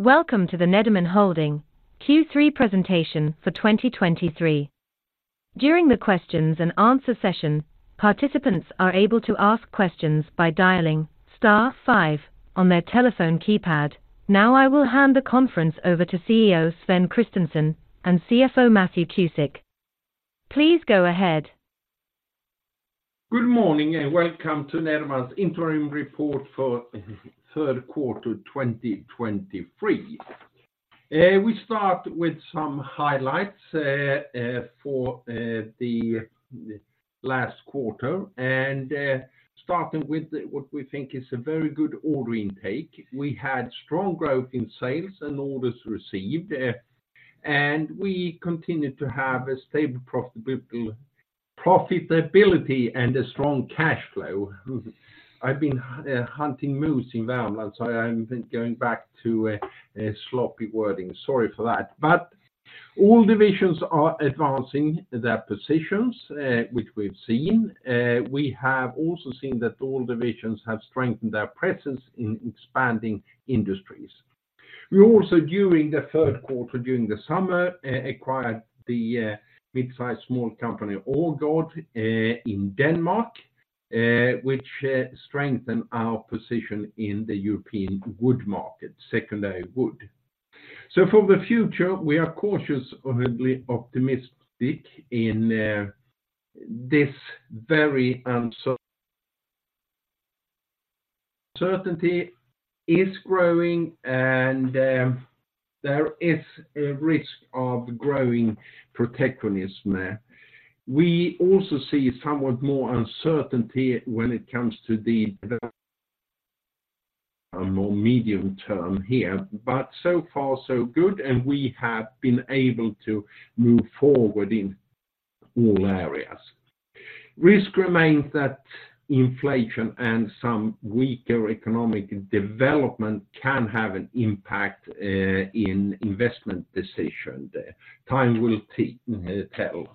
Welcome to the Nederman Holding Q3 presentation for 2023. During the questions and answer session, participants are able to ask questions by dialing star five on their telephone keypad. Now, I will hand the conference over to CEO Sven Kristensson and CFO Matthew Cusick. Please go ahead. Good morning, and welcome to Nederman's interim report for third quarter, 2023. We start with some highlights for the last quarter, and starting with what we think is a very good order intake. We had strong growth in sales and orders received, and we continued to have a stable profitability, profitability, and a strong cash flow. I've been hunting moose in Värmland, so I'm going back to a sloppy wording. Sorry for that. But all divisions are advancing their positions, which we've seen. We have also seen that all divisions have strengthened their presence in expanding industries. We also, during the third quarter, during the summer, acquired the mid-size small company, Aagaard, in Denmark, which strengthened our position in the European wood market, Secondary Wood. So for the future, we are cautiously overly optimistic in this very uncertain. Uncertainty is growing, and there is a risk of growing protectionism. We also see somewhat more uncertainty when it comes to the more medium term here, but so far, so good, and we have been able to move forward in all areas. Risk remains that inflation and some weaker economic development can have an impact in investment decision. Time will tell.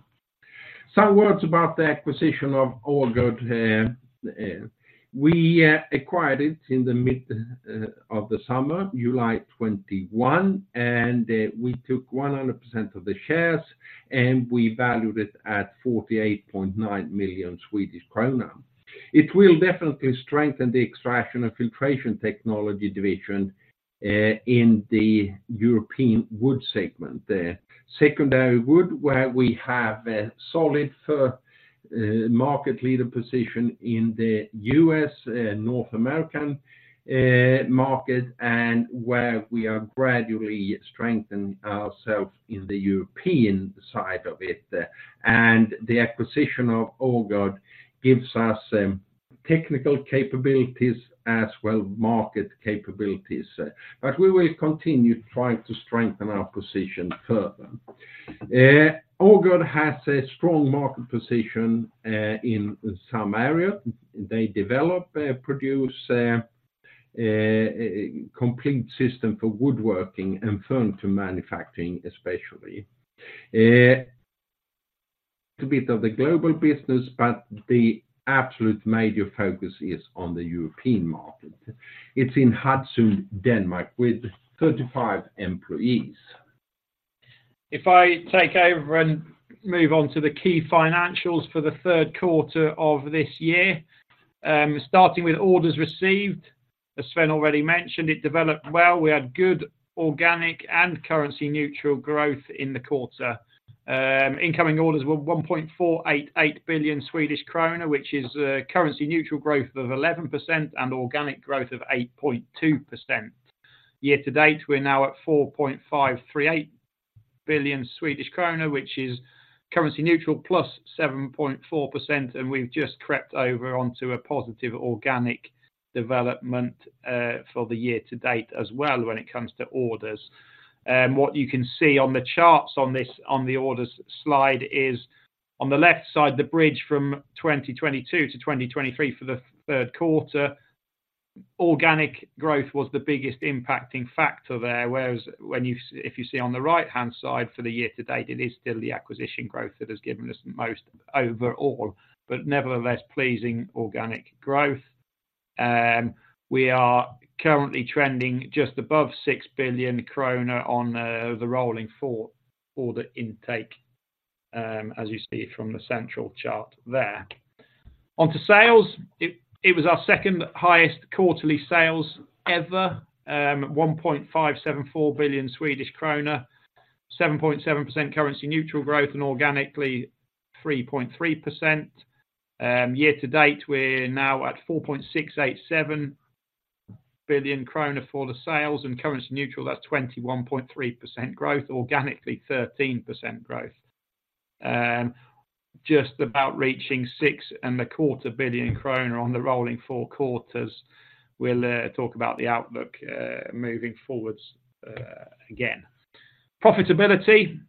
Some words about the acquisition of Aagaard. We acquired it in the mid of the summer, July 2021, and we took 100% of the shares, and we valued it at 48.9 million Swedish kronor. It will definitely strengthen the Extraction and Filtration Technology division in the European wood segment, the Secondary Wood, where we have a solid market leader position in the US and North American market, and where we are gradually strengthening ourselves in the European side of it. The acquisition of Aagaard gives us technical capabilities as well, market capabilities, but we will continue trying to strengthen our position further. Aagaard has a strong market position in some areas. They develop, produce complete systems for woodworking and furniture manufacturing, especially. A bit of the global business, but the absolute major focus is on the European market. It's in Hadsund, Denmark, with 35 employees. If I take over and move on to the key financials for the third quarter of this year, starting with orders received, as Sven already mentioned, it developed well. We had good organic and currency neutral growth in the quarter. Incoming orders were 1.488 billion Swedish krona, which is a currency neutral growth of 11% and organic growth of 8.2%. Year to date, we're now at 4.538 billion Swedish krona, which is currency neutral +7.4%, and we've just crept over onto a positive organic development for the year to date as well when it comes to orders. What you can see on the charts on this, on the orders slide is on the left side, the bridge from 2022 to 2023 for the third quarter. Organic growth was the biggest impacting factor there, whereas if you see on the right-hand side for the year to date, it is still the acquisition growth that has given us the most overall, but nevertheless, pleasing organic growth. We are currently trending just above 6 billion krona on the rolling four order intake, as you see from the central chart there. On to sales, it was our second highest quarterly sales ever, at 1.574 billion Swedish kronor, 7.7% currency neutral growth and organically, 3.3%. Year to date, we're now at 4.687 billion kronor for the sales and currency neutral, that's 21.3% growth, organically, 13% growth. Just about reaching 6.25 billion kronor on the rolling four quarters. We'll talk about the outlook, moving forward, again. Profitability,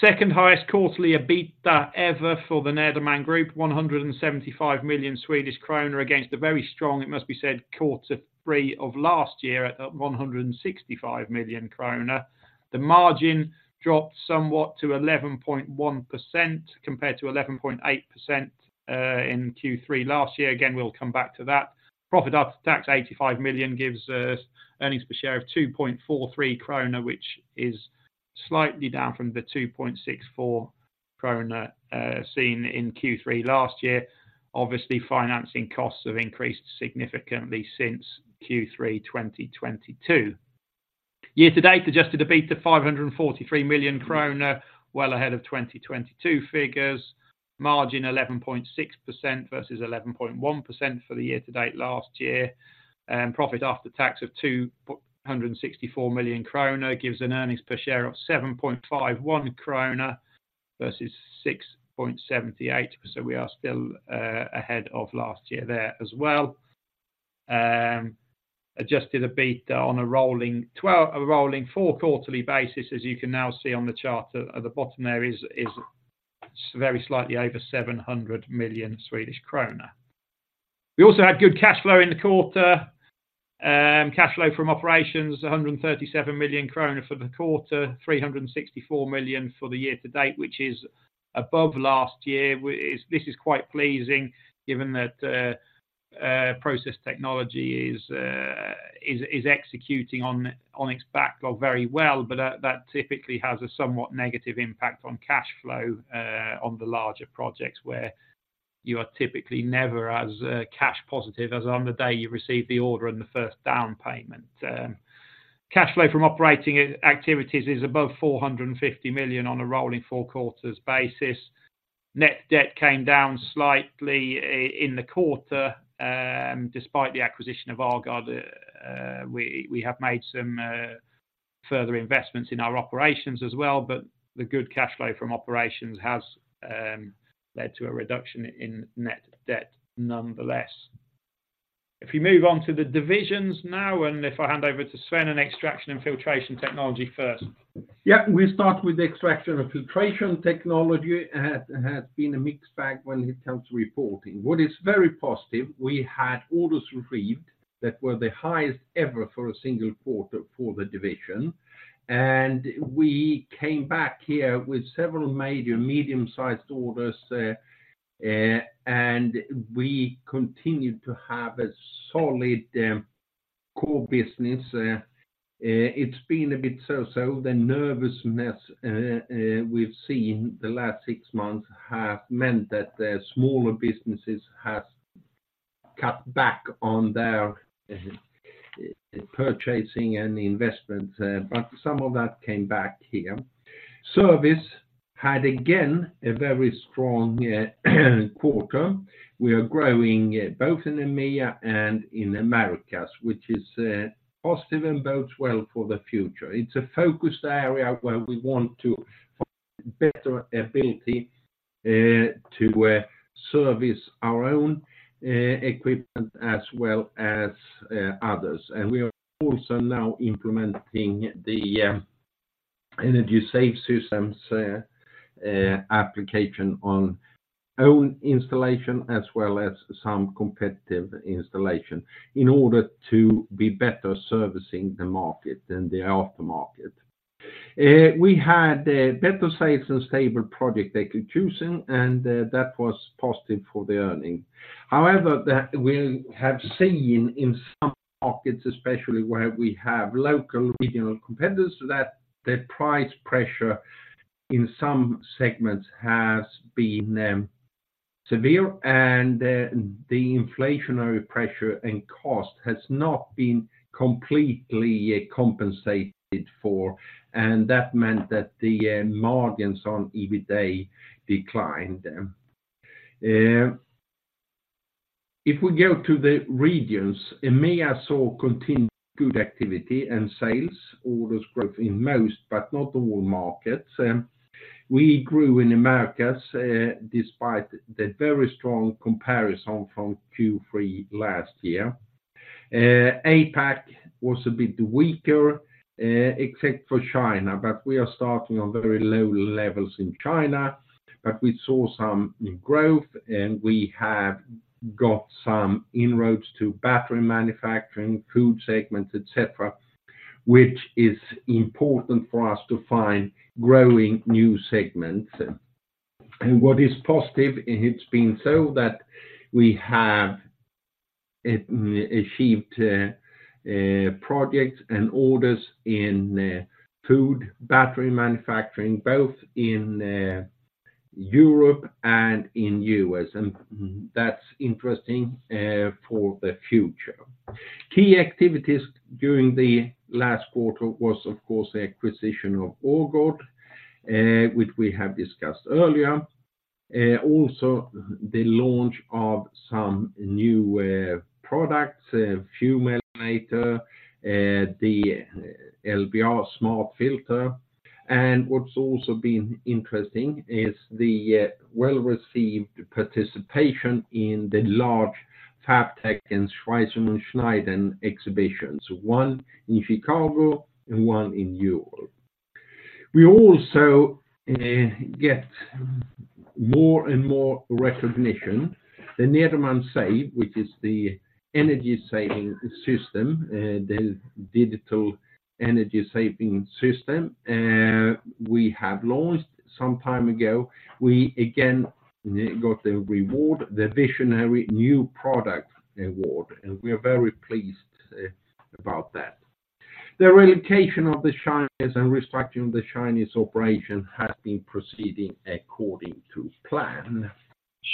second highest quarterly EBITDA ever for the Nederman Group, 175 million Swedish kronor against a very strong, it must be said, quarter three of last year at 165 million kronor. The margin dropped somewhat to 11.1%, compared to 11.8%, in Q3 last year. Again, we'll come back to that. Profit after tax, 85 million, gives us earnings per share of 2.43 krona, which is slightly down from the 2.64 krona seen in Q3 last year. Obviously, financing costs have increased significantly since Q3 2022. Year to date, adjusted EBITDA, 543 million kronor, well ahead of 2022 figures. Margin 11.6% versus 11.1% for the year to date last year, and profit after tax of 264 million kronor, gives an earnings per share of 7.51 kronor versus 6.78. So we are still ahead of last year there as well. Adjusted EBITDA on a rolling twelve, a rolling four quarterly basis, as you can now see on the chart at the bottom there, is very slightly over 700 million Swedish kronor. We also had good cash flow in the quarter. Cash flow from operations, 137 million kronor for the quarter, 364 million for the year to date, which is above last year. This is quite pleasing given that Process Technology is executing on its backlog very well, but that typically has a somewhat negative impact on cash flow on the larger projects, where you are typically never as cash positive as on the day you receive the order and the first down payment. Cash flow from operating activities is above 450 million on a rolling four quarters basis. Net debt came down slightly in the quarter, despite the acquisition of Aagaard. We have made some further investments in our operations as well, but the good cash flow from operations has led to a reduction in net debt, nonetheless. If we move on to the divisions now, and if I hand over to Sven and Extraction and Filtration Technology first. Yeah, we start with the Extraction and Filtration Technology, and has been a mixed bag when it comes to reporting. What is very positive, we had orders received that were the highest ever for a single quarter for the division. And we came back here with several major medium-sized orders, and we continued to have a solid, core business. It's been a bit so-so. The nervousness, we've seen the last six months have meant that the smaller businesses has cut back on their, purchasing and investment, but some of that came back here. Service had, again, a very strong, quarter. We are growing, both in EMEA and in Americas, which is, positive and bodes well for the future. It's a focused area where we want to have better ability to service our own equipment as well as others. And we are also now implementing the Energy Save Systems application on own installation, as well as some competitive installation, in order to be better servicing the market and the aftermarket. We had better sales and stable project execution, and that was positive for the earning. However, that we have seen in some markets, especially where we have local regional competitors, that the price pressure in some segments has been severe, and the inflationary pressure and cost has not been completely compensated for, and that meant that the margins on EBITA declined. If we go to the regions, EMEA saw continued good activity and sales, orders growth in most, but not all markets. We grew in Americas, despite the very strong comparison from Q3 last year. APAC was a bit weaker, except for China, but we are starting on very low levels in China, but we saw some growth, and we have got some inroads to battery manufacturing, food segments, et cetera, which is important for us to find growing new segments. What is positive, it's been so that we have achieved projects and orders in food, battery manufacturing, both in Europe and in U.S, and that's interesting for the future. Key activities during the last quarter was, of course, the acquisition of Aagaard, which we have discussed earlier. Also the launch of some new products, Fume Eliminator, the LBR SmartFilter. What's also been interesting is the well-received participation in the large FABTECH and Schweissen & Schneiden exhibitions, one in Chicago and one in Europe. We also get more and more recognition. The Nederman SAVE, which is the energy saving system, the digital energy saving system, we have launched some time ago. We again got the award, the Visionary New Product Award, and we are very pleased about that. The relocation of the Chinese and restructuring the Chinese operation has been proceeding according to plan.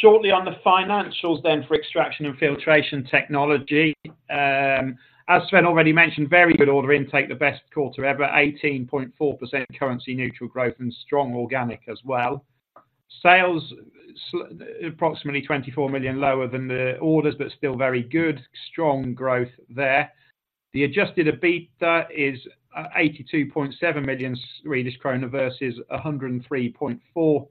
Shortly on the financials then for Extraction and Filtration Technology, as Sven already mentioned, very good order intake, the best quarter ever, 18.4% currency neutral growth and strong organic as well. Sales, approximately 24 million lower than the orders, but still very good, strong growth there. The adjusted EBITDA is 82.7 million Swedish krona versus 103.4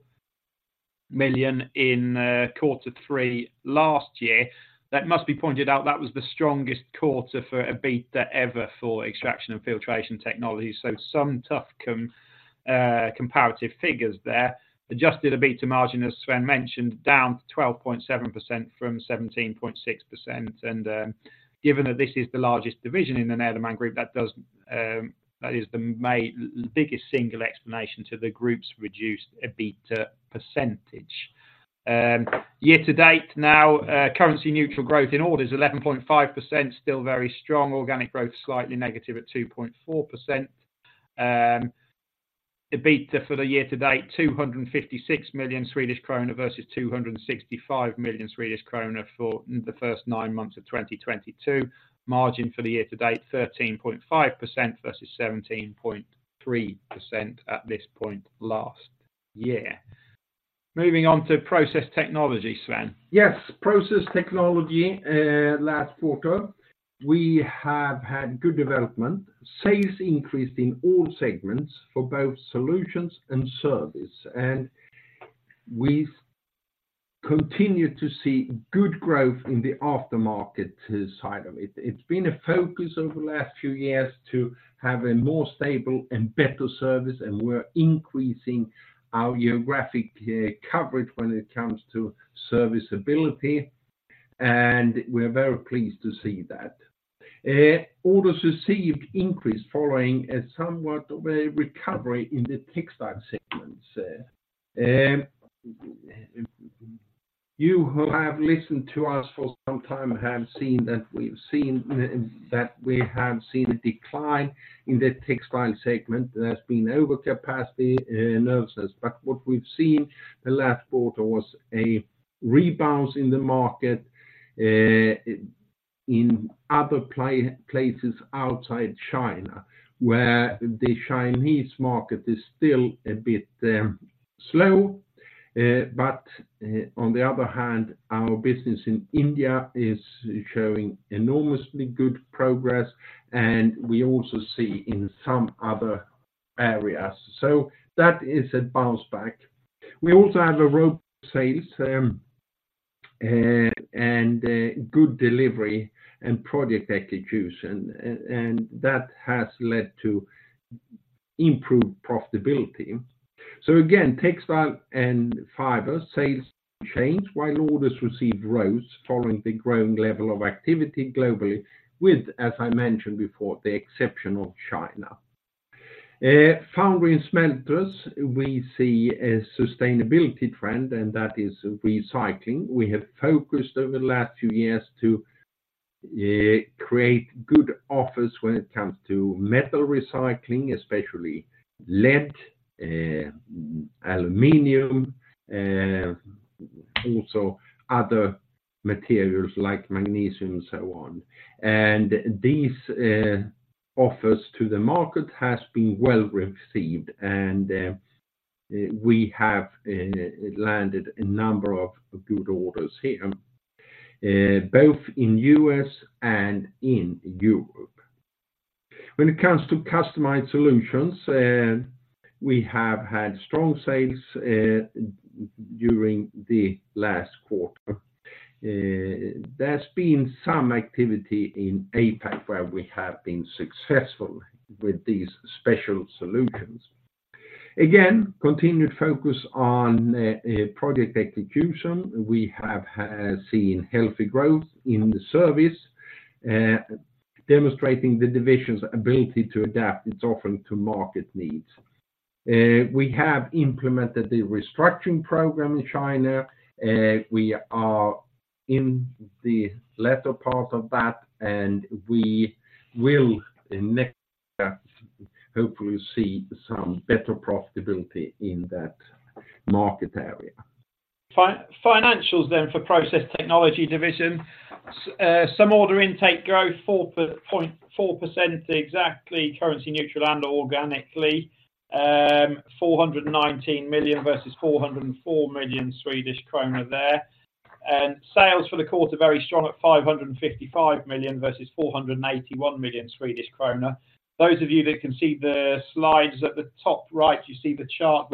million in quarter three last year. That must be pointed out, that was the strongest quarter for EBITDA ever for Extraction and Filtration Technology, so some tough comparative figures there. Adjusted EBITDA margin, as Sven mentioned, down to 12.7% from 17.6%. Given that this is the largest division in the Nederman Group, that does, that is the biggest single explanation to the group's reduced EBITDA percentage. Year to date now, currency neutral growth in orders, 11.5%, still very strong. Organic growth, slightly negative at 2.4%. EBITDA for the year to date, 256 million Swedish krona versus 265 million Swedish krona for the first nine months of 2022. Margin for the year to date, 13.5% versus 17.3% at this point last year. Moving on to Process Technology, Sven. Yes, Process Technology, last quarter, we have had good development. Sales increased in all segments for both solutions and service, and we continue to see good growth in the aftermarket side of it. It's been a focus over the last few years to have a more stable and better service, and we're increasing our geographic coverage when it comes to serviceability, and we're very pleased to see that. Orders received increased following a somewhat of a recovery in the textile segments. You who have listened to us for some time have seen that we've seen, that we have seen a decline in the textile segment. There's been overcapacity, in a sense, but what we've seen the last quarter was a rebalance in the market, in other places outside China, where the Chinese market is still a bit, slow. But, on the other hand, our business in India is showing enormously good progress, and we also see in some other areas. So that is a bounce back. We also have a rope sales, and a good delivery and project execution, and that has led to improved profitability. So again, textile and fiber sales change, while orders received rose following the growing level of activity globally, with, as I mentioned before, the exception of China. Foundry and smelters, we see a sustainability trend, and that is recycling. We have focused over the last few years to create good offers when it comes to metal recycling, especially lead, aluminum, also other materials like magnesium, and so on. These offers to the market has been well received, and we have landed a number of good orders here, both in U.S and in Europe. When it comes to customized solutions, we have had strong sales during the last quarter. There's been some activity in APAC, where we have been successful with these special solutions. Again, continued focus on project execution. We have seen healthy growth in the service, demonstrating the division's ability to adapt its offering to market needs. We have implemented the restructuring program in China, we are in the latter part of that, and we will next hopefully see some better profitability in that market area. Financials then for Process Technology division. Some order intake growth, 4.4% exactly, currency neutral and organically, 419 million versus 404 million Swedish krona there. And sales for the quarter very strong at 555 million versus 481 million Swedish krona. Those of you that can see the slides at the top right, you see the chart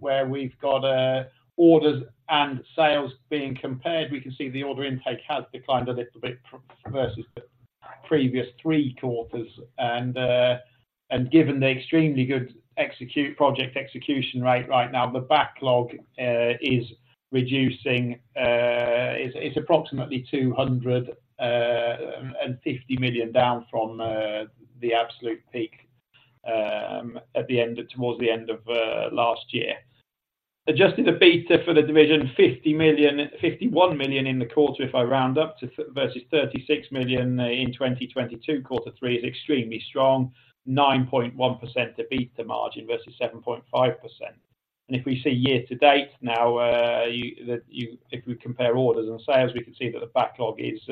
where we've got orders and sales being compared. We can see the order intake has declined a little bit from versus the previous three quarters. And given the extremely good execution, project execution rate right now, the backlog is reducing, it's approximately 250 million, down from the absolute peak at the end, towards the end of last year. Adjusted EBITDA for the division, 50 million, 51 million in the quarter, if I round up, versus 36 million in 2022, quarter three is extremely strong, 9.1% EBITDA margin versus 7.5%. If we see year to date now, you, that you—if we compare orders and sales, we can see that the backlog is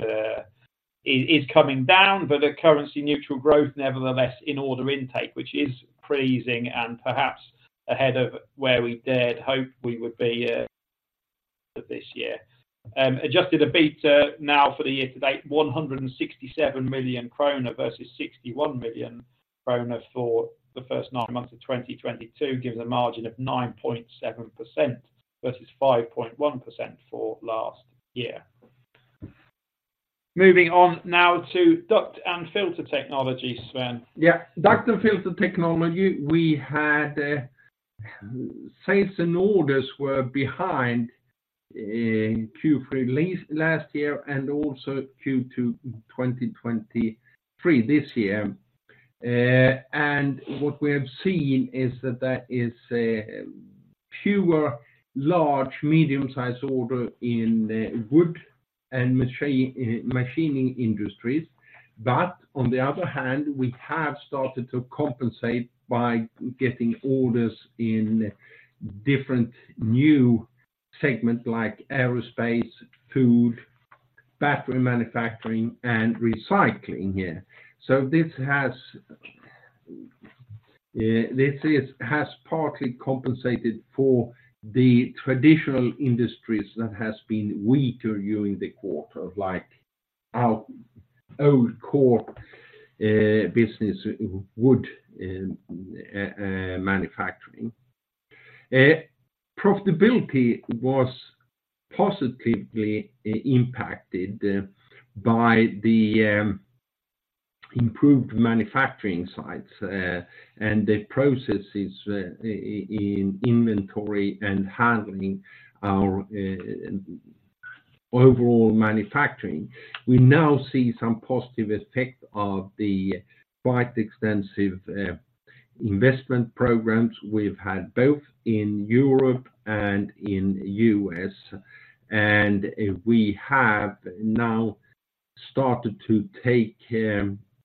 coming down, but the currency neutral growth, nevertheless, in order intake, which is pleasing and perhaps ahead of where we dared hope we would be this year. Adjusted EBITDA now for the year to date, 167 million krona versus 61 million krona for the first nine months of 2022, gives a margin of 9.7% versus 5.1% for last year. Moving on now to Duct and Filter Technology, Sven. Yeah, Duct and Filter Technology, we had sales and orders were behind in Q3 last year, and also Q2 2023 this year. And what we have seen is that there is a fewer large, medium-sized order in the wood and machining industries, but on the other hand, we have started to compensate by getting orders in different new segments like aerospace, food, battery manufacturing, and recycling here. So this has partly compensated for the traditional industries that has been weaker during the quarter, like our old core business, wood manufacturing. Profitability was positively impacted by the improved manufacturing sites and the processes in inventory and handling our overall manufacturing. We now see some positive effect of the quite extensive investment programs we've had, both in Europe and in US. We have now started to take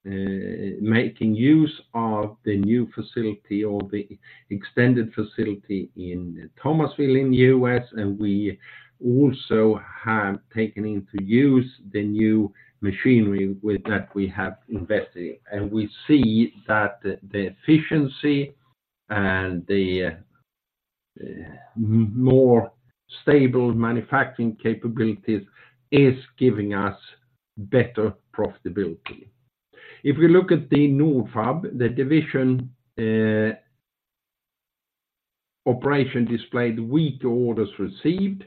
making use of the new facility or the extended facility in Thomasville, in the U.S, and we also have taken into use the new machinery with that we have invested in. We see that the efficiency and the more stable manufacturing capabilities is giving us better profitability. If we look at the Nordfab, the division, operation displayed weak orders received.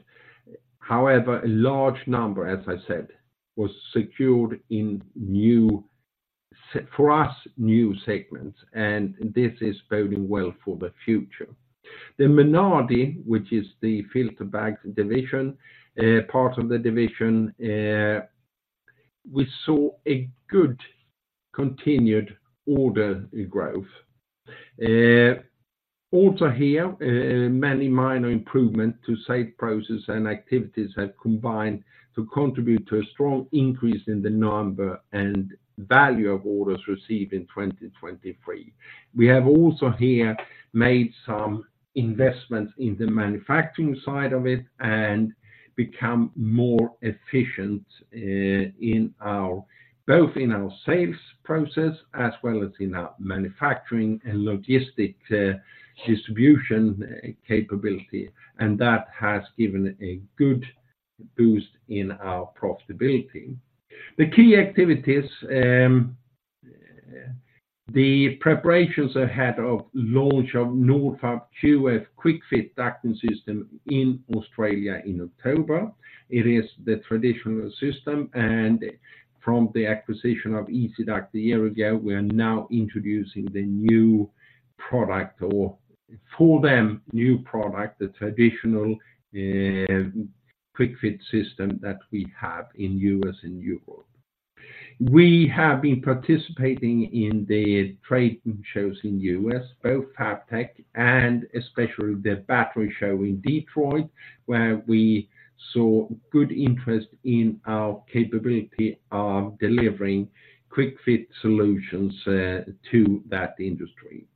However, a large number, as I said, was secured in new—for us, new segments, and this is boding well for the future. The Menardi, which is the filter bags division, part of the division, we saw a good continued order growth. Also here, many minor improvement to sale process and activities have combined to contribute to a strong increase in the number and value of orders received in 2023. We have also here made some investments in the manufacturing side of it and become more efficient in our both in our sales process as well as in our manufacturing and logistic distribution capability, and that has given a good boost in our profitability. The key activities, the preparations ahead of launch of Nordfab QF Quick-Fit Ducting System in Australia in October. It is the traditional system, and from the acquisition of Ezi-Duct a year ago, we are now introducing the new product, or for them, new product, the traditional Quick-Fit system that we have in U.S and Europe. We have been participating in the trade shows in US, both FABTECH and especially the battery show in Detroit, where we saw good interest in our capability of delivering quick fit solutions to that industry.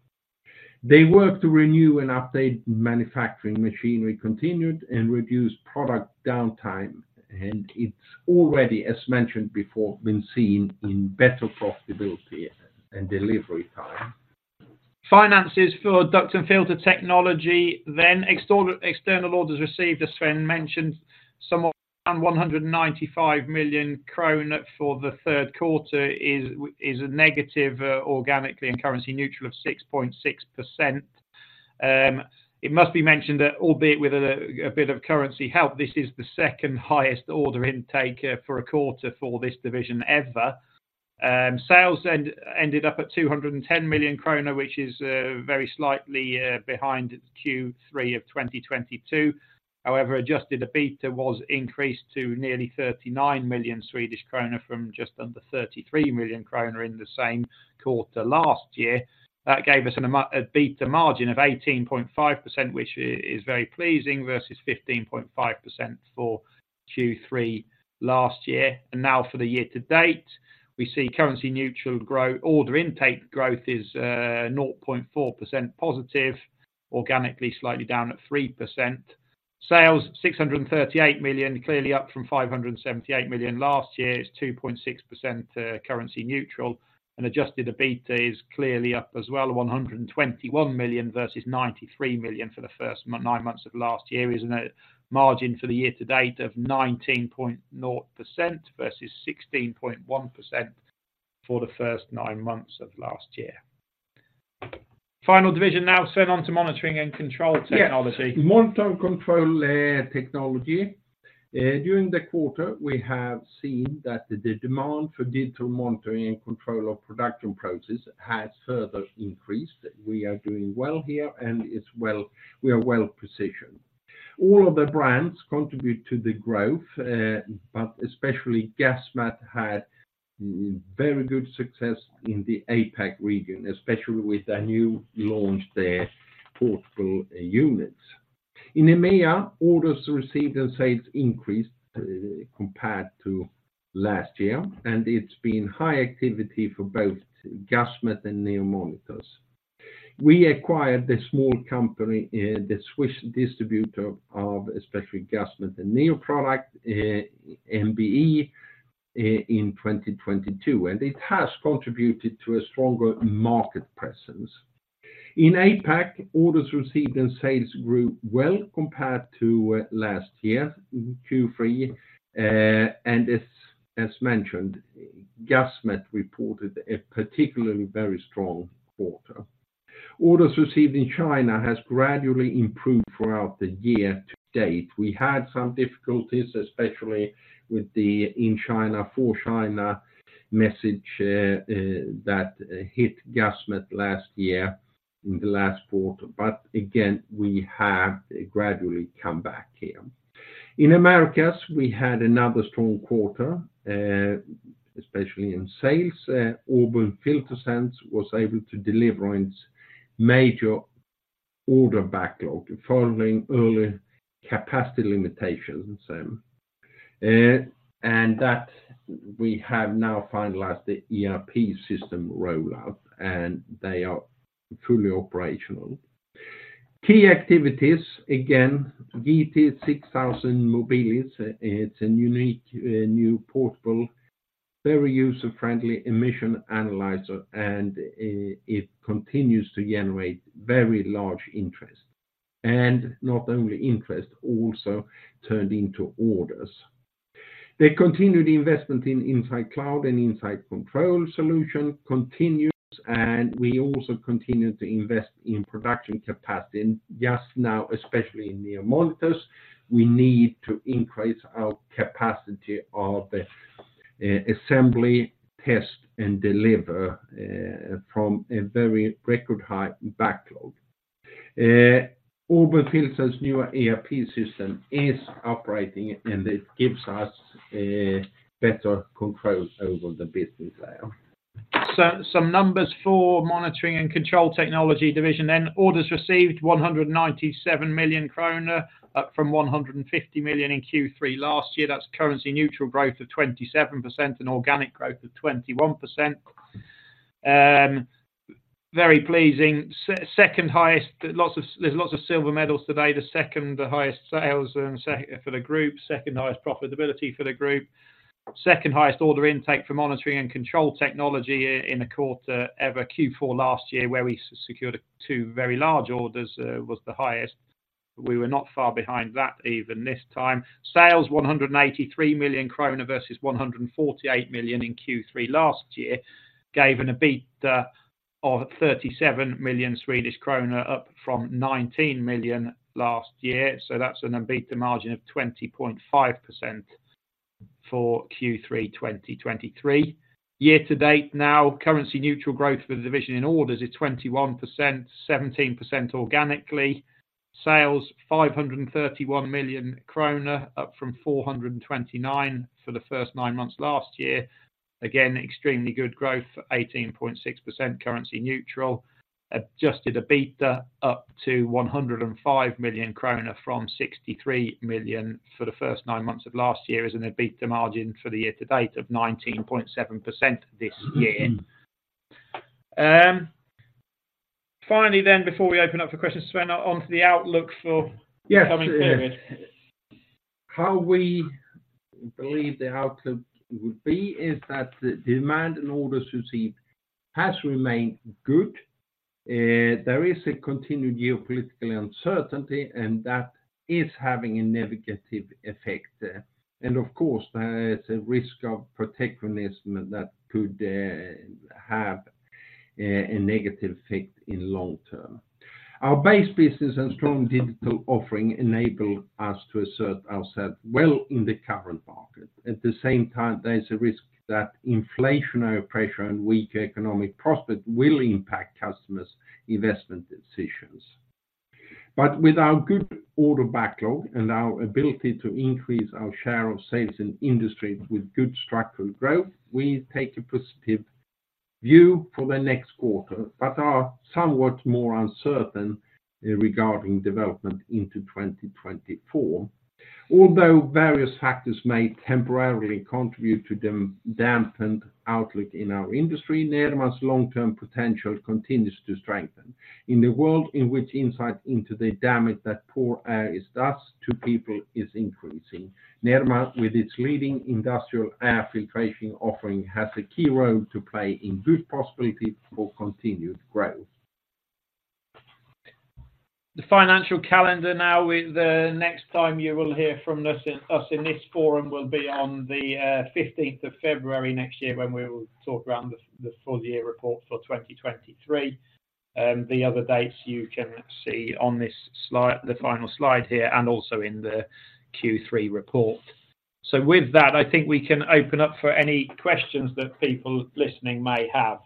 The work to renew and update manufacturing machinery continued and reduced product downtime, and it's already, as mentioned before, been seen in better profitability and delivery time. Financials for Duct and Filter Technology, then, external orders received, as Sven mentioned, somewhat around 195 million kronor for the third quarter is a negative, organically and currency neutral, of 6.6%. It must be mentioned that albeit with a bit of currency help, this is the second highest order intake for a quarter for this division ever. Sales ended up at 210 million kronor, which is very slightly behind Q3 of 2022. However, adjusted EBITDA was increased to nearly 39 million Swedish kronor from just under 33 million kronor in the same quarter last year. That gave us an EBITDA margin of 18.5%, which is very pleasing, versus 15.5% for Q3 last year. And now for the year to date, we see currency neutral growth. Order intake growth is 0.4% positive, organically slightly down at 3%. Sales, 638 million, clearly up from 578 million last year, is 2.6% currency neutral and adjusted EBITDA is clearly up as well, 121 million versus 93 million for the first nine months of last year, is in a margin for the year to date of 19.0% versus 16.1% for the first nine months of last year. Final division, now, Sven, on to Monitoring and Control Technology. Yes, Monitoring and Control Technology. During the quarter, we have seen that the demand for digital monitoring and control of production process has further increased. We are doing well here, and it's well - we are well-positioned. All of the brands contribute to the growth, but especially Gasmet had very good success in the APAC region, especially with a new launch there, portable units. In EMEA, orders received and sales increased compared to last year, and it's been high activity for both Gasmet and NEO Monitors. We acquired the small company, the Swiss distributor of especially Gasmet and Neo product, MBE, in 2022, and it has contributed to a stronger market presence. In APAC, orders received and sales grew well compared to last year, Q3. And as mentioned, Gasmet reported a particularly very strong quarter. Orders received in China has gradually improved throughout the year to date. We had some difficulties, especially with the in China, for China message, that hit Gasmet last year in the last quarter, but again, we have gradually come back here. In Americas, we had another strong quarter, especially in sales. Auburn FilterSense was able to deliver on its major order backlog following early capacity limitations. And that we have now finalized the ERP system rollout, and they are fully operational. Key activities, again, GT6000 Mobilis, it's a unique, new portable, very user-friendly emission analyzer, and it continues to generate very large interest, and not only interest, also turned into orders. The continued investment in Insight Cloud and Insight Control solution continues, and we also continue to invest in production capacity. Just now, especially in NEO Monitors, we need to increase our capacity of the assembly, test, and deliver from a very record high backlog. Auburn FilterSense's new ERP system is operating, and it gives us a better control over the business there. Some numbers for Monitoring and Control Technology division, then. Orders received 197 million krona, up from 150 million in Q3 last year. That's currency neutral growth of 27%, and organic growth of 21%. Very pleasing, second highest. There's lots of silver medals today, the second highest sales and for the group, second highest profitability for the group, second highest order intake for Monitoring & Control Technology in a quarter ever. Q4 last year, where we secured two very large orders, was the highest. We were not far behind that even this time. Sales, 183 million krona versus 148 million in Q3 last year, gave an EBITDA of 37 million Swedish krona, up from 19 million last year. That's an EBITDA margin of 20.5% for Q3 2023. Year to date now, currency neutral growth for the division in orders is 21%, 17% organically. Sales, 531 million kronor, up from 429 million for the first nine months last year. Again, extremely good growth, 18.6% currency neutral. Adjusted EBITDA, up to 105 million kronor from 63 million for the first nine months of last year, is an EBITDA margin for the year to date of 19.7% this year. Finally, then, before we open up for questions, Sven, on to the outlook for- Yes... the coming period. How we believe the outlook would be is that the demand and orders received has remained good. There is a continued geopolitical uncertainty, and that is having a negative effect. And of course, there is a risk of protectionism that could have a, a negative effect in long term. Our base business and strong digital offering enable us to assert ourselves well in the current market. At the same time, there is a risk that inflationary pressure and weak economic profit will impact customers' investment decisions. But with our good order backlog and our ability to increase our share of sales in industry with good structural growth, we take a positive view for the next quarter, but are somewhat more uncertain regarding development into 2024. Although various factors may temporarily contribute to dampened outlook in our industry, Nederman's long-term potential continues to strengthen. In the world in which insight into the damage that poor air does to people is increasing, Nederman, with its leading industrial air filtration offering, has a key role to play in good possibility for continued growth. The financial calendar now, with the next time you will hear from us in this forum will be on the 15th of February next year, when we will talk around the full year report for 2023. The other dates you can see on this slide, the final slide here, and also in the Q3 report. So with that, I think we can open up for any questions that people listening may have.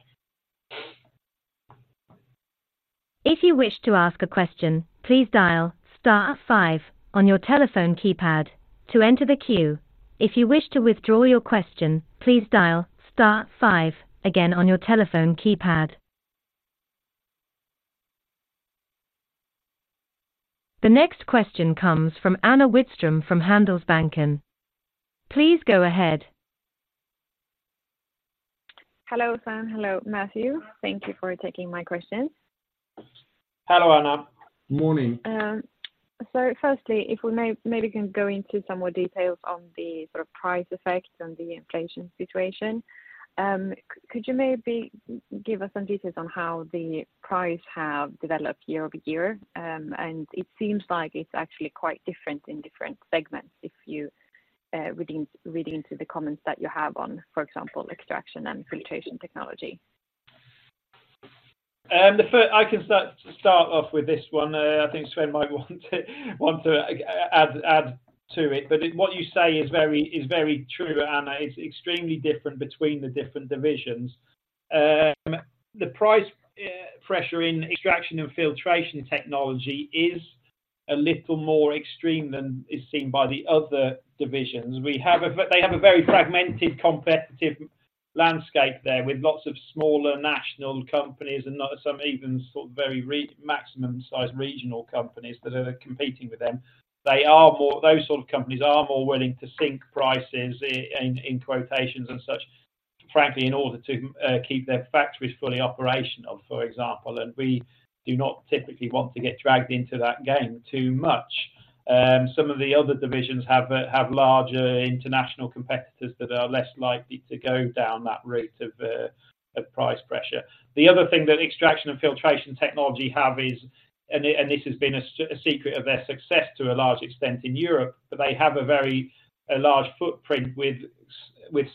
If you wish to ask a question, please dial star five on your telephone keypad to enter the queue. If you wish to withdraw your question, please dial star five again on your telephone keypad. The next question comes from Anna Widström from Handelsbanken. Please go ahead. Hello, Sven. Hello, Matthew. Thank you for taking my questions. Hello, Anna. Morning. So firstly, if we may, maybe can go into some more details on the sort of price effects on the inflation situation. Could you maybe give us some details on how the price have developed year-over-year? And it seems like it's actually quite different in different segments, if you reading into the comments that you have on, for example, Extraction and Filtration Technology. I can start, start off with this one. I think Sven might want to, want to add, add to it, but what you say is very, is very true, Anna. It's extremely different between the different divisions. The price, pressure in Extraction and Filtration Technology is a little more extreme than is seen by the other divisions. We have a, they have a very fragmented, competitive landscape there, with lots of smaller national companies and not some even sort of very re- maximum-sized regional companies that are competing with them. They are more, those sort of companies are more willing to sync prices in, in quotations and such, frankly, in order to, keep their factories fully operational, for example, and we do not typically want to get dragged into that game too much. Some of the other divisions have larger international competitors that are less likely to go down that route of price pressure. The other thing that Extraction and Filtration Technology have is, this has been a secret of their success to a large extent in Europe, but they have a very large footprint with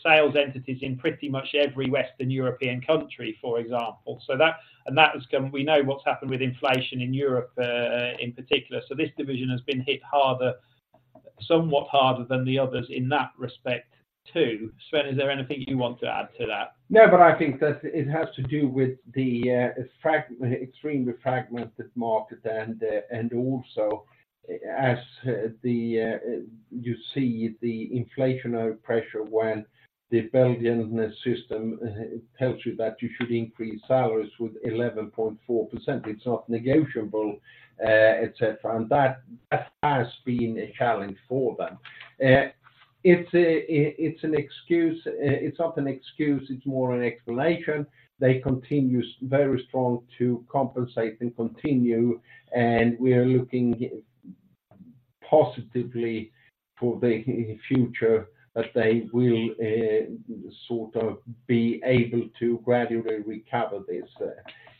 sales entities in pretty much every Western European country, for example. So that, and that is gone. We know what's happened with inflation in Europe, in particular. So this division has been hit harder, somewhat harder than the others in that respect, too. Sven, is there anything you want to add to that? No, but I think that it has to do with the fragmented, extremely fragmented market and also, as you see the inflationary pressure when the Belgian System tells you that you should increase salaries with 11.4%, it's not negotiable, et cetera, and that has been a challenge for them. It's an excuse, it's not an excuse, it's more an explanation. They continue very strong to compensate and continue, and we are looking positively for the future that they will sort of be able to gradually recover this.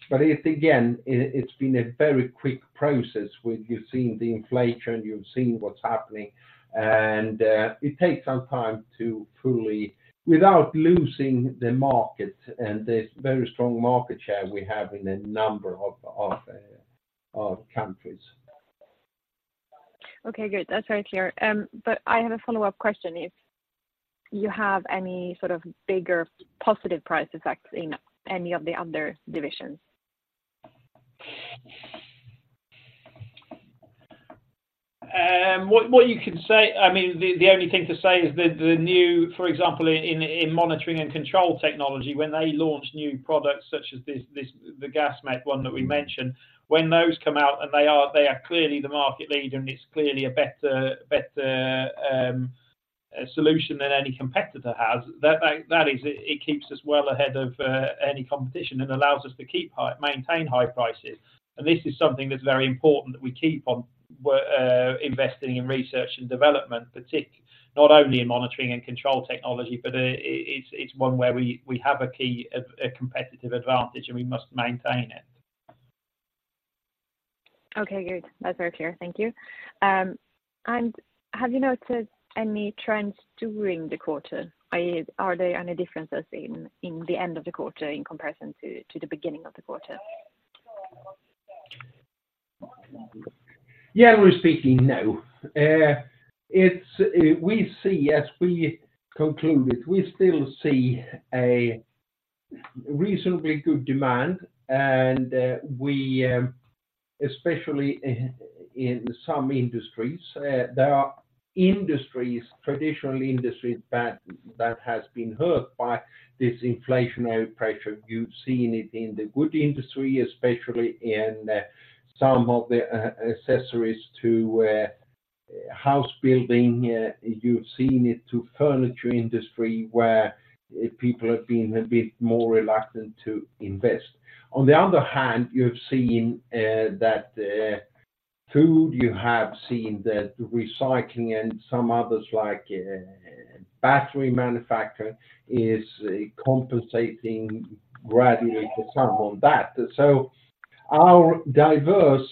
But it's been a very quick process where you've seen the inflation, you've seen what's happening, and it takes some time to fully, without losing the market and this very strong market share we have in a number of countries. Okay, good. That's very clear. But I have a follow-up question, if you have any sort of bigger positive price effects in any of the other divisions? What you can say, I mean, the only thing to say is that the new, for example, in Monitoring and Control Technology, when they launch new products such as this, the Gasmet one that we mentioned, when those come out and they are clearly the market leader, and it's clearly a better solution than any competitor has. That is, it keeps us well ahead of any competition and allows us to keep high, maintain high prices. And this is something that's very important, that we keep on investing in research and development, not only in Monitoring and Control Technology, but it's one where we have a key, a competitive advantage, and we must maintain it. Okay, good. That's very clear. Thank you. Have you noticed any trends during the quarter? Are there any differences in the end of the quarter in comparison to the beginning of the quarter? Yeah, we're speaking now. We see as we conclude it, we still see reasonably good demand, and especially in some industries, there are industries, traditional industries, that has been hurt by this inflationary pressure. You've seen it in the wood industry, especially in some of the accessories to house building. You've seen it to furniture industry, where people have been a bit more reluctant to invest. On the other hand, you've seen that food, you have seen that recycling and some others like battery manufacturer is compensating gradually for some on that. So our diverse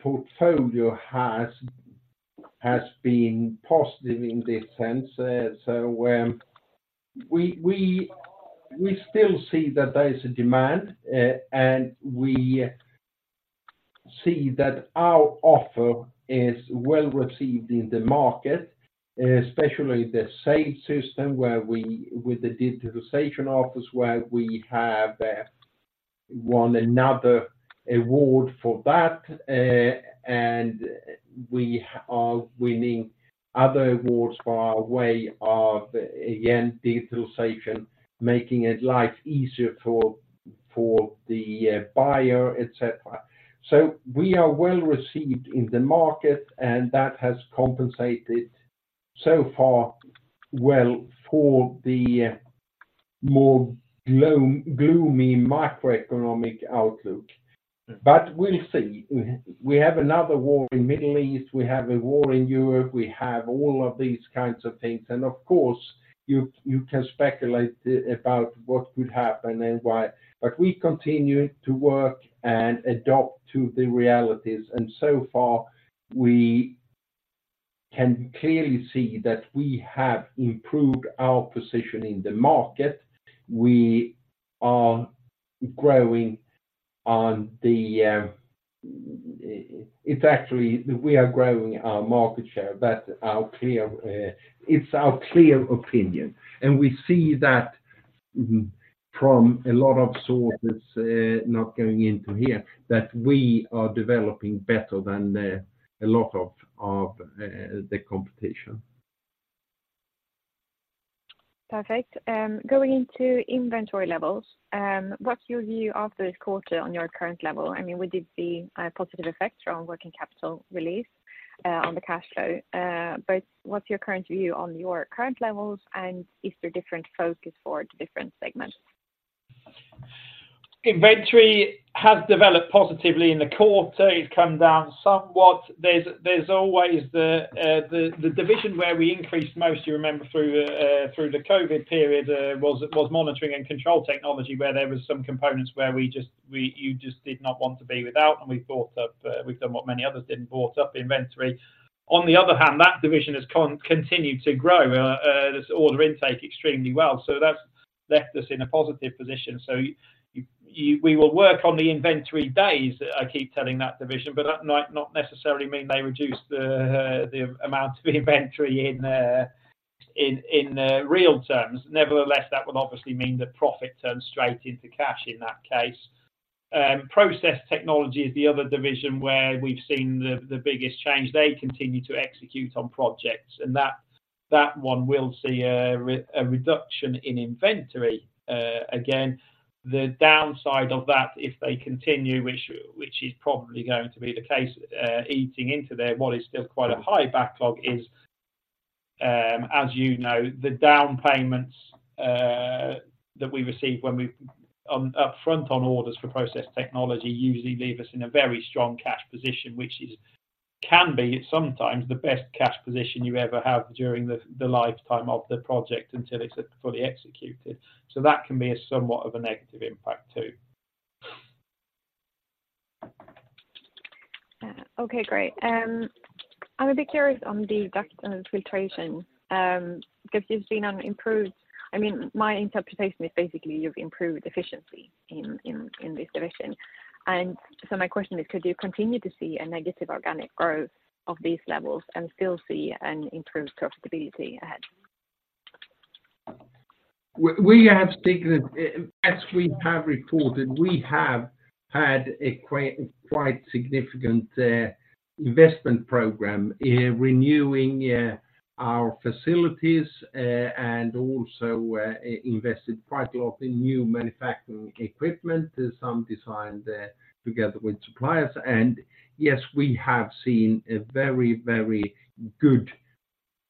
portfolio has been positive in this sense. So, we still see that there is a demand, and we see that our offer is well received in the market, especially the sales system, where we, with the digitalization office, where we have won another award for that, and we are winning other awards for our way of, again, digitalization, making it life easier for the buyer, et cetera. So we are well received in the market, and that has compensated so far well for the more gloomy macroeconomic outlook. But we'll see. We have another war in the Middle East, we have a war in Europe, we have all of these kinds of things, and of course, you can speculate about what could happen and why, but we continue to work and adapt to the realities, and so far we can clearly see that we have improved our position in the market. We are growing on the, it's actually, we are growing our market share, that's our clear, it's our clear opinion. We see that from a lot of sources, not going into here, that we are developing better than a lot of the competition. Perfect. Going into inventory levels, what's your view of this quarter on your current level? I mean, we did see a positive effect from working capital release on the cash flow. But what's your current view on your current levels, and is there different focus for the different segments? Inventory has developed positively in the quarter. It's come down somewhat. There's always the division where we increased most, you remember, through the COVID period, was Monitoring and Control Technology, where there was some components where we just did not want to be without, and we bought up, we've done what many others did, and bought up inventory. On the other hand, that division has continued to grow this order intake extremely well, so that's left us in a positive position. We will work on the inventory days, I keep telling that division, but that might not necessarily mean they reduce the amount of inventory in real terms. Nevertheless, that would obviously mean the profit turns straight into cash in that case. Process Technology is the other division where we've seen the biggest change. They continue to execute on projects, and that one will see a reduction in inventory. Again, the downside of that, if they continue, which is probably going to be the case, eating into their what is still quite a high backlog is, as you know, the down payments that we receive when we upfront on orders for Process Technology usually leave us in a very strong cash position, which can be sometimes the best cash position you ever have during the lifetime of the project until it's fully executed. So that can be somewhat of a negative impact too. Okay, great. I'm a bit curious on the dust and the filtration, because there's been an improved—I mean, my interpretation is basically you've improved efficiency in this division. And so my question is, could you continue to see a negative organic growth of these levels and still see an improved profitability ahead? We have seen, as we have reported, we have had a quite significant investment program in renewing our facilities, and also invested quite a lot in new manufacturing equipment, some designed together with suppliers. Yes, we have seen a very, very good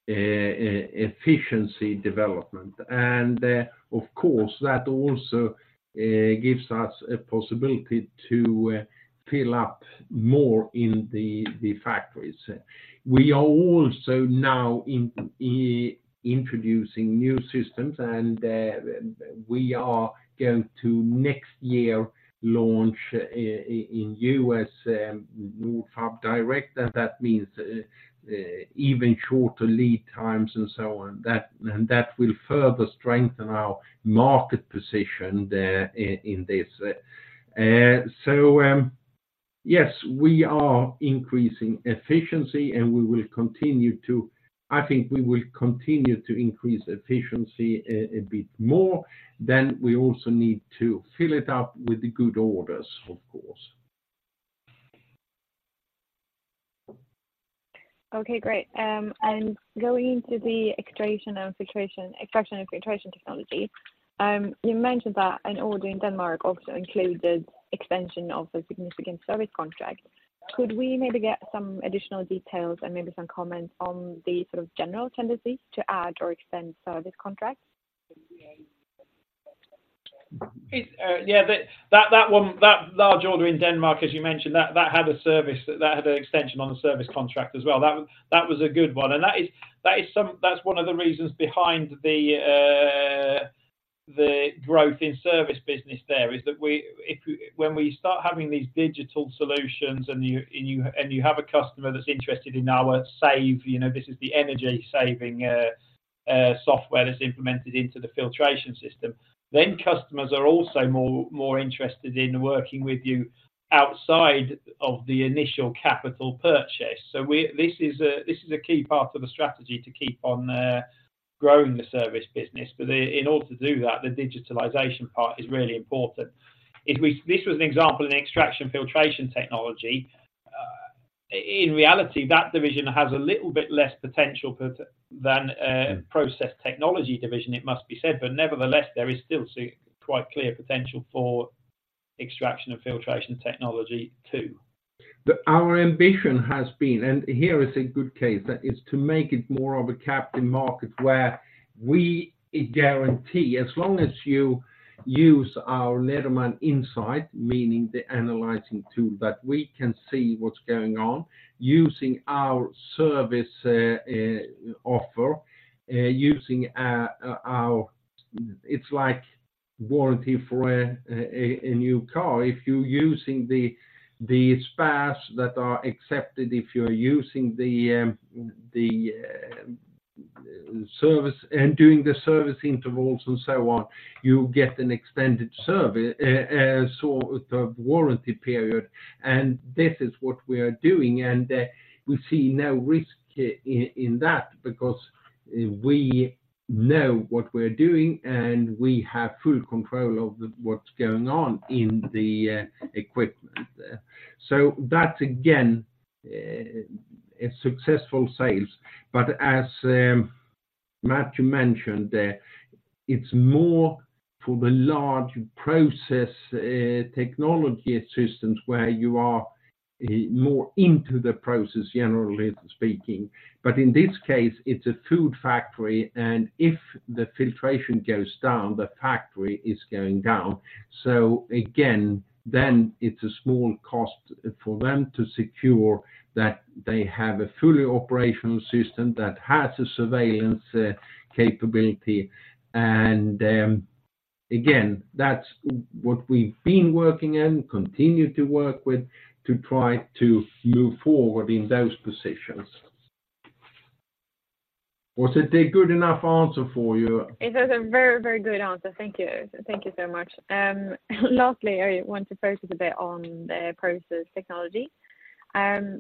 efficiency development. Of course, that also gives us a possibility to fill up more in the factories. We are also now introducing new systems, and we are going to next year launch in U.S, Nordfab Direct, and that means even shorter lead times and so on. That will further strengthen our market position in this. Yes, we are increasing efficiency, and we will continue to—I think we will continue to increase efficiency a bit more. We also need to fill it up with the good orders, of course. Okay, great. And going to the extraction and filtration, extraction and filtration technology, you mentioned that an order in Denmark also included extension of the significant service contract. Could we maybe get some additional details and maybe some comments on the sort of general tendency to add or extend service contracts? Yeah, that one, that large order in Denmark, as you mentioned, that had a service, that had an extension on the service contract as well. That was a good one, and that is-- That's one of the reasons behind the growth in service business there, is that when we start having these digital solutions and you have a customer that's interested in our SAVE, you know, this is the energy-saving software that's implemented into the filtration system, then customers are also more interested in working with you outside of the initial capital purchase. So this is a key part of the strategy to keep on growing the service business, but in order to do that, the digitalization part is really important. If we-- This was an example in extraction and filtration technology. In reality, that division has a little bit less potential than a process technology division, it must be said, but nevertheless, there is still quite clear potential for extraction and filtration technology, too. Our ambition has been, and here is a good case, that is to make it more of a captain market where we guarantee, as long as you use our Nederman Insight, meaning the analyzing tool, that we can see what's going on using our service offer, using our—it's like warranty for a new car. If you're using the spares that are accepted, if you're using the service and doing the service intervals and so on, you get an extended sort of warranty period. This is what we are doing, and we see no risk in that because we know what we're doing, and we have full control of what's going on in the equipment. That, again, a successful sales. But as Matthew mentioned, it's more for the large process technology systems, where you are more into the process, generally speaking. But in this case, it's a food factory, and if the filtration goes down, the factory is going down. So again, then it's a small cost for them to secure that they have a fully operational system that has a surveillance capability. And again, that's what we've been working in, continue to work with, to try to move forward in those positions. Was it a good enough answer for you? It was a very, very good answer. Thank you. Thank you so much. Lastly, I want to focus a bit on the process technology,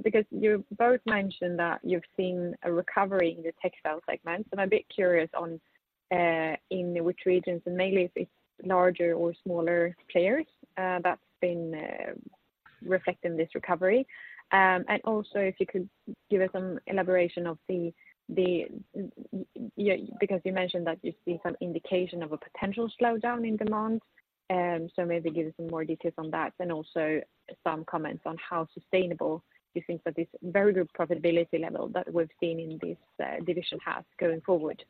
because you both mentioned that you've seen a recovery in the textile segment. So I'm a bit curious on, in which regions, and mainly if it's larger or smaller players, that's been reflecting this recovery. And also, if you could give us some elaboration of because you mentioned that you've seen some indication of a potential slowdown in demand, so maybe give us some more details on that, and also some comments on how sustainable you think that this very good profitability level that we've seen in this division has going forward.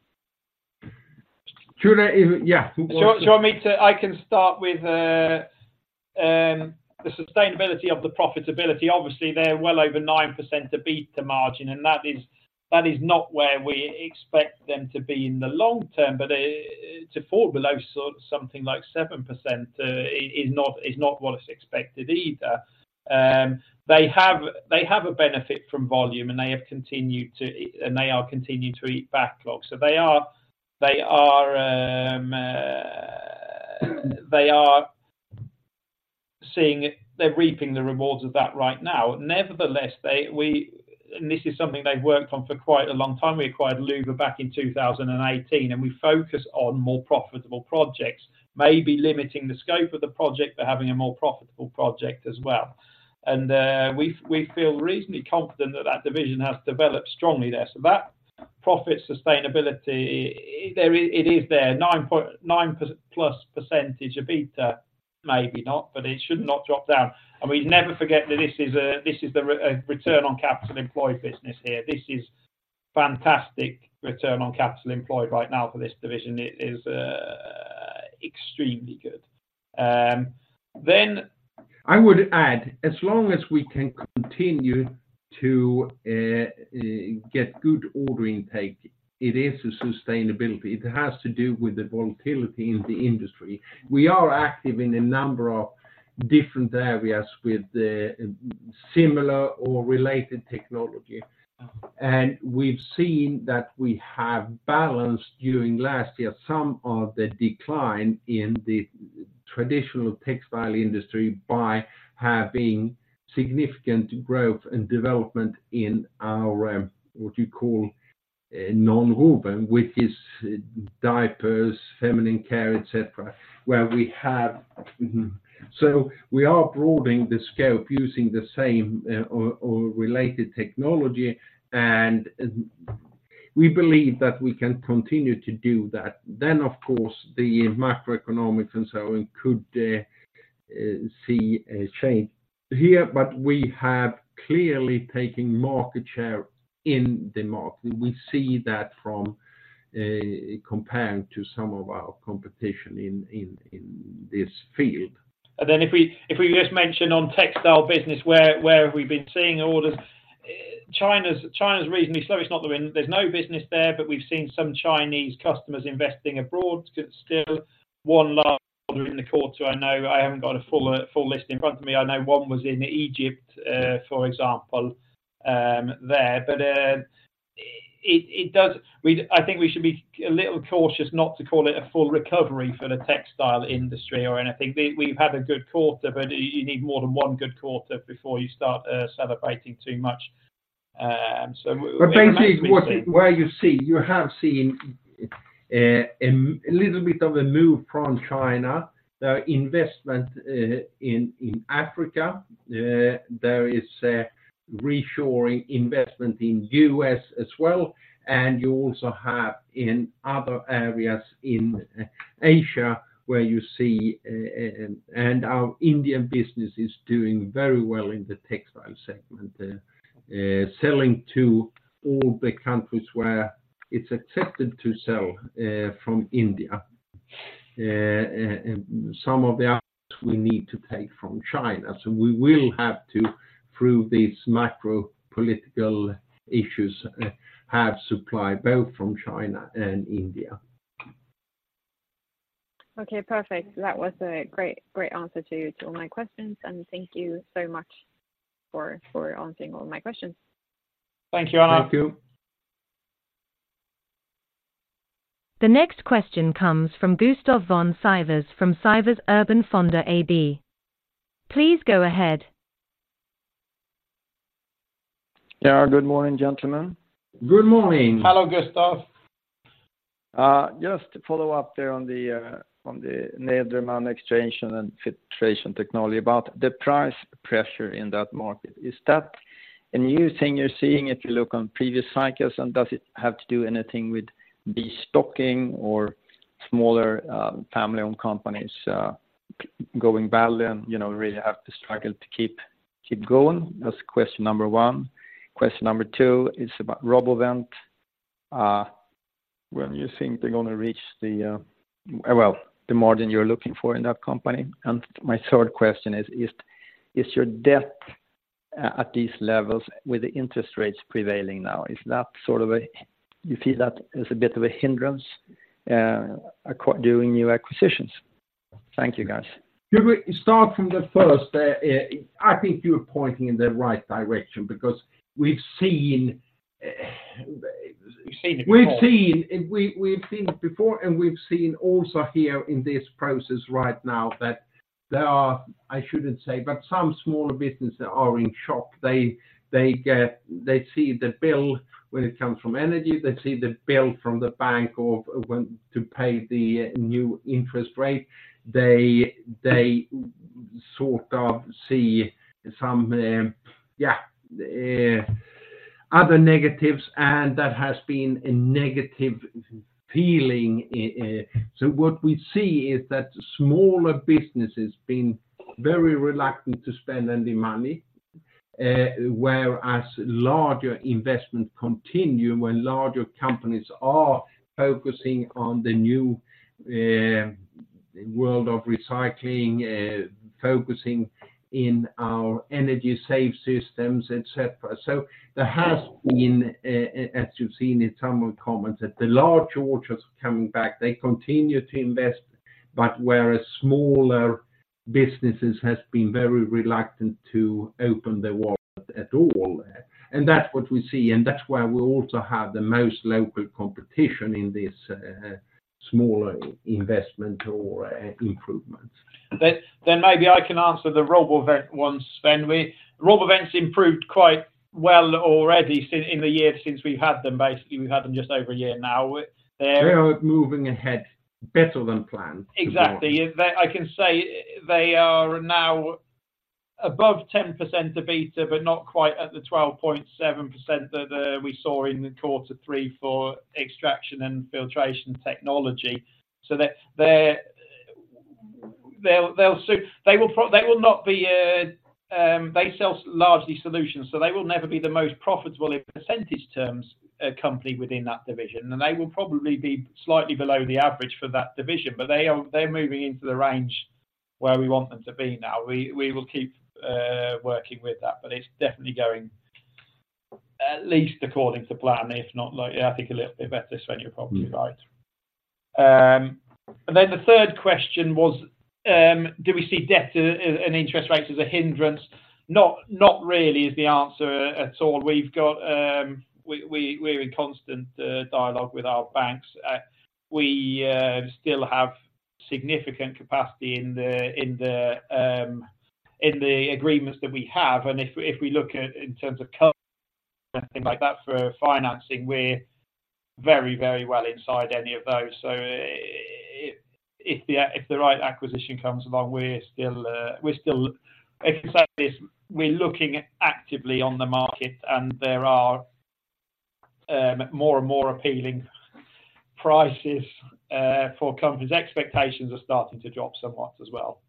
Should I even- Yeah. Do you want me to? I can start with the sustainability of the profitability. Obviously, they're well over 9% EBITDA margin, and that is not where we expect them to be in the long term, but to fall below something like 7%, is not what is expected either. They have a benefit from volume, and they have continued to, and they are continuing to eat backlog. So they are seeing it, they're reaping the rewards of that right now. Nevertheless, they, we, and this is something they've worked on for quite a long time. We acquired Luwa back in 2018, and we focus on more profitable projects, maybe limiting the scope of the project, but having a more profitable project as well. And, we feel reasonably confident that that division has developed strongly there. So that profit sustainability, it is there, 9%+ EBITDA, maybe not, but it should not drop down. And we never forget that this is a, this is the return on capital employed business here. This is fantastic return on capital employed right now for this division. It is, extremely good. Then- I would add, as long as we can continue to get good ordering intake, it is a sustainability. It has to do with the volatility in the industry. We are active in a number of different areas with the similar or related technology. And we've seen that we have balanced, during last year, some of the decline in the traditional textile industry by having significant growth and development in our, what you call, nonwoven, which is diapers, feminine care, et cetera, where we have. So we are broadening the scope, using the same or related technology, and we believe that we can continue to do that. Then, of course, the macroeconomics and so on could see a change here, but we have clearly taken market share in the market. We see that from comparing to some of our competition in this field. And then if we just mention on textile business, where have we been seeing orders? China's reasonably slow. It's not that there's no business there, but we've seen some Chinese customers investing abroad still. One large order in the quarter, I know I haven't got a full list in front of me. I know one was in Egypt, for example, there. But I think we should be a little cautious not to call it a full recovery for the textile industry or anything. We've had a good quarter, but you need more than one good quarter before you start celebrating too much. So we But basically, what, where you see, you have seen, a little bit of a move from China. There are investment in Africa. There is a reshoring investment in U.S as well, and you also have in other areas in Asia, where you see. And our Indian business is doing very well in the textile segment, selling to all the countries where it's accepted to sell from India. And some of the others we need to take from China, so we will have to, through these macro political issues, have supply both from China and India. Okay, perfect. That was a great, great answer to, to all my questions, and thank you so much for, for answering all my questions. Thank you, Anna. Thank you. The next question comes from Gustaf von Sivers, from Sivers Urban Fonder AB. Please go ahead. Yeah. Good morning, gentlemen. Good morning. Hello, Gustaf. Just to follow up there on the, on the Nederman Extraction and Filtration Technology, about the price pressure in that market, is that a new thing you're seeing if you look on previous cycles, and does it have to do anything with destocking or smaller, family-owned companies, going badly and, you know, really have to struggle to keep going? That's question number one. Question number two is about RoboVent. When you think they're gonna reach the, well, the margin you're looking for in that company? And my third question is, is your debt, at these levels, with the interest rates prevailing now, is that sort of a, you feel that is a bit of a hindrance doing new acquisitions? Thank you, guys. Should we start from the first? I think you're pointing in the right direction because we've seen, We've seen it before.... We've seen it before, and we've seen also here in this process right now that there are, I shouldn't say, but some smaller businesses are in shock. They see the bill when it comes from energy. They see the bill from the bank of when to pay the new interest rate. They sort of see some other negatives, and that has been a negative feeling. So what we see is that smaller businesses been very reluctant to spend any money, whereas larger investments continue, when larger companies are focusing on the new world of recycling, focusing in our energy save systems, et cetera. So there has been, as you've seen in some of comments, that the large orders are coming back. They continue to invest, but whereas smaller businesses has been very reluctant to open their wallet at all. And that's what we see, and that's why we also have the most local competition in this, smaller investment or improvements. Then maybe I can answer the RoboVent one, Sven. We've improved quite well already, since in the year since we've had them. Basically, we've had them just over a year now. They're- They are moving ahead better than planned. Exactly. They, I can say they are now above 10% EBITDA, but not quite at the 12.7% that we saw in the quarter three for Extraction and Filtration Technology. So they're, they'll soon. They will not be, they sell largely solutions, so they will never be the most profitable, in percentage terms, company within that division, and they will probably be slightly below the average for that division, but they are, they're moving into the range where we want them to be now. We, we will keep working with that, but it's definitely going-... at least according to plan, if not like, I think a little bit better schedule probably, right? And then the third question was, do we see debt and, and interest rates as a hindrance? Not, not really is the answer at all. We've got, we, we're in constant dialogue with our banks. We still have significant capacity in the agreements that we have, and if we look at in terms of anything like that for financing, we're very, very well inside any of those. If the right acquisition comes along, we're still, if you say this, we're looking actively on the market and there are more and more appealing prices for companies. Expectations are starting to drop somewhat as well.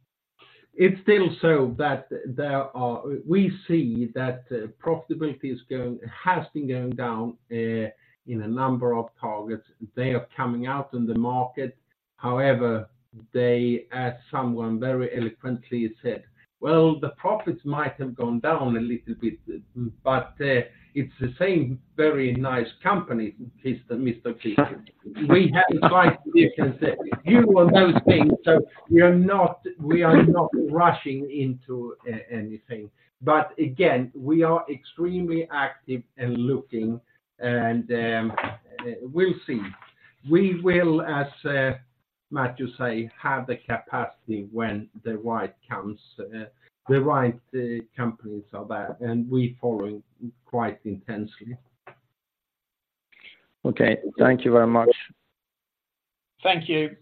It's still so that there are—we see that, profitability is going, has been going down, in a number of targets. They are coming out in the market. However, they, as someone very eloquently said, "Well, the profits might have gone down a little bit, but, it's the same very nice company, Mr. Keegan." We have quite, you can say, a few of those things, so we are not, we are not rushing into anything. But again, we are extremely active in looking, and, we'll see. We will, as, Matthew say, have the capacity when the right comes, the right, companies are there, and we following quite intensely. Okay. Thank you very much. Thank you.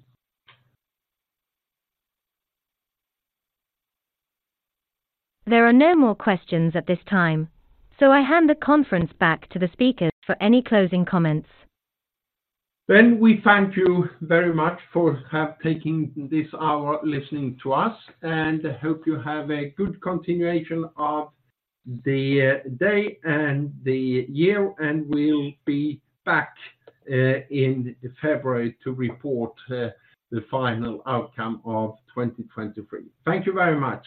There are no more questions at this time, so I hand the conference back to the speakers for any closing comments. Then we thank you very much for have taking this hour listening to us, and hope you have a good continuation of the day and the year, and we'll be back in February to report the final outcome of 2023. Thank you very much.